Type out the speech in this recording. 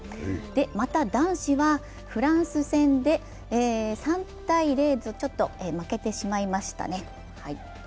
また、男子はフランス戦で３−０とちょっと負けてしまいましたね。